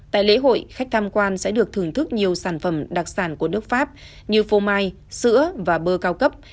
tại lễ hội khách tham quan sẽ được thưởng thức nhiều sản phẩm đặc sản của nước pháp như phô mai sữa và bơ cao cấp